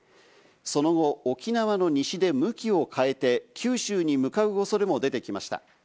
その後、沖縄の西で向きを変えて九州に向かう恐れも出てきました。